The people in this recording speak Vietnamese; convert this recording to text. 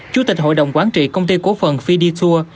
chủ tịch hội đồng quán trị công ty cổ phần fiditur